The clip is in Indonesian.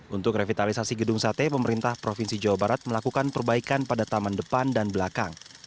untuk revitalisasi gedung sate pemerintah provinsi jawa barat melakukan perbaikan pada taman depan dan belakang